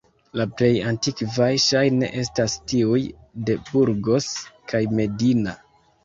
La plej antikvaj ŝajne estas tiuj de Burgos kaj Medina.